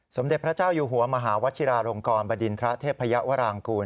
สมเด็จพระเจ้าอยู่หัวมหาวชิราลงกรบดินทระเทพยวรางกูล